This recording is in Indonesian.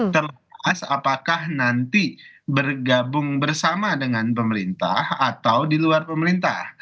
terlepas apakah nanti bergabung bersama dengan pemerintah atau di luar pemerintah